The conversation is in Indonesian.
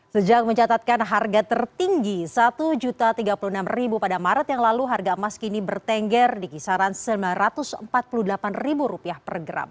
sejak mencatatkan harga tertinggi rp satu tiga puluh enam pada maret yang lalu harga emas kini bertengger di kisaran rp sembilan ratus empat puluh delapan per gram